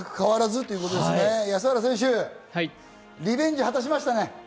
安原選手、リベンジ果たしましたね。